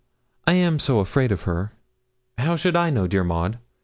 I am so afraid of her!' 'How should I know, dear Maud?